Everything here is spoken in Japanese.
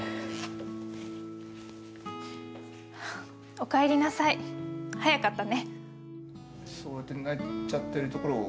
おかえりなさい、早かったね。